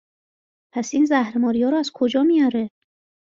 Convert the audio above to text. پس این زهر ماریا رو از کجا میاره؟